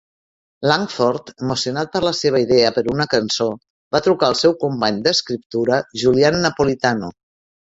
Langford, emocionat per la seva idea per una cançó, va trucar el seu company d'escriptura Julian Napolitano.